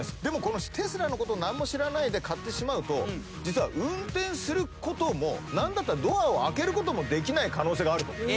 でもテスラのこと何も知らないで買ってしまうと実は運転することも何だったらドアを開けることもできない可能性があると。